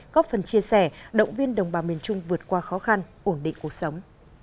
góp phần chia sẻ động viên đồng bào miền trung vượt qua khó khăn ổn định cuộc sống